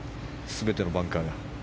全てのバンカーが。